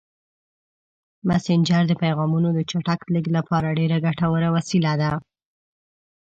مسېنجر د پیغامونو د چټک لیږد لپاره ډېره ګټوره وسیله ده.